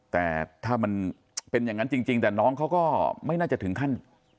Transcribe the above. แต่ถ้ามันเป็นอย่างนั้นจริงแต่น้องเขาก็ไม่น่าจะถึงขั้น